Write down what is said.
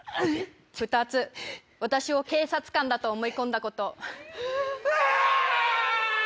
２つ、私を警察官だと思い込んだこと。